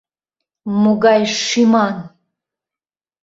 Могай шӱман?!